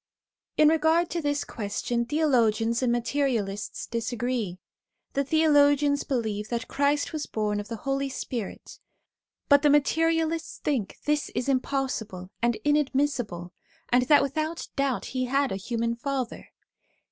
In regard to this question, theologians and materialists disagree. The theologians believe that Christ was born of the Holy Spirit; but the materialists think this is impossible and inadmissible, and that without doubt he had a human father.